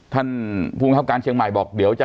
ท่านผู้บังคับการเชียงใหม่บอกเดี๋ยวจะ